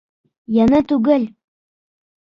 — Йәне түгел.